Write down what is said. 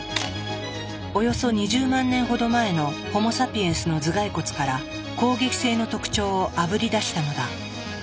およそ２０万年ほど前のホモ・サピエンスの頭蓋骨から攻撃性の特徴をあぶり出したのだ。